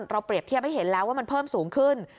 เปรียบเทียบให้เห็นแล้วว่ามันเพิ่มสูงขึ้น